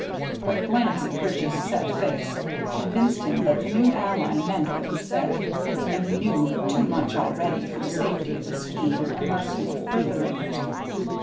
But a glance at Bridge's set face convinced him that the new ally meant what he said, and he knew too much already for the safety of the scheme unless he were furthering it.